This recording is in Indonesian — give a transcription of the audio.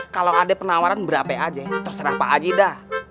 kalau ada penawaran berapa aja terserah pak haji dah